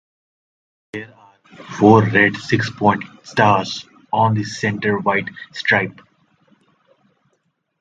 There are four red six-pointed stars on the center white stripe.